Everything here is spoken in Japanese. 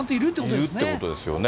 いるってことですよね。